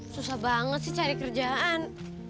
susah banget sih cari kerjaan